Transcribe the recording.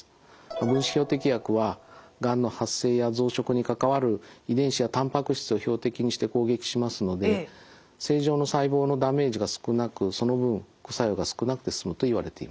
分子標的薬はがんの発生や増殖に関わる遺伝子やたんぱく質を標的にして攻撃しますので正常の細胞のダメージが少なくその分副作用が少なくて済むといわれています。